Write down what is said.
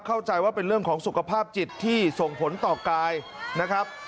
เข้าใจว่าเป็นเรื่องของสุขภาพจิตที่ส่งผลต่อกายนะครับ